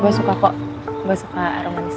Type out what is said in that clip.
gue suka orang orang di sana